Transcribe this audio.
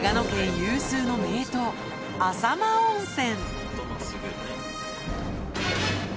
有数の名湯浅間温泉